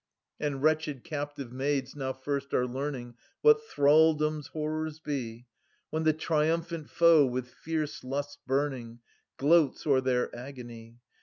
And wretched captive maids now first are learning What thraldom's horrors be, When the triumphant foe, with tierce lust burningi Gloats o'er their agony.